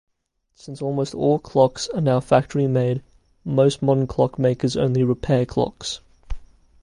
Since almost all clocks are now factory-made, most modern clockmakers only repair clocks.